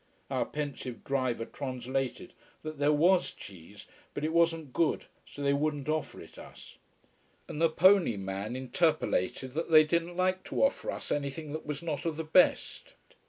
Our pensive driver translated that there was cheese, but it wasn't good, so they wouldn't offer it us. And the pony man interpolated that they didn't like to offer us anything that was not of the best.